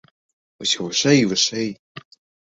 Усё вышэй і вышэй.